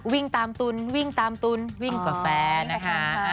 วิ่งตามตุ๋นวิ่งตามตุ๋นวิ่งกว่าแฟนนะคะ